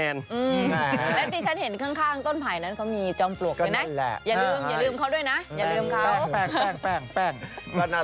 และตอนนี้ฉันเห็นข้างต้นไผ่นั้นก็มีจอมปลวกอยู่นะอย่าลืมเค้าด้วยนะ